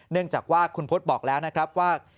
เนื่องจากว่าคุณพศบอกแล้วนะครับว่า